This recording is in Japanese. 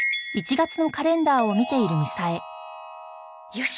よし！